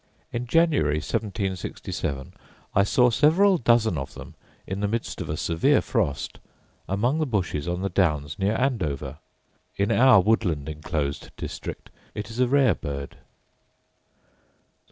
In January 1767 I saw several dozen of them, in the midst of a severe frost, among the bushes on the downs near Andover: in our woodland enclosed district it is a rare bird.